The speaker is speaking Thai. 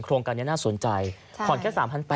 โครงการนี้น่าสนใจผ่อนแค่๓๘๐๐